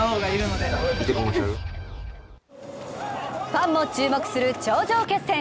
ファンも注目する頂上決戦。